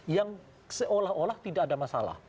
yang seolah olah tidak ada masalah